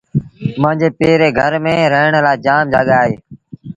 مآݩجي پي ري گھر ميݩ رآهڻ لآ جآم جآڳآ اهي۔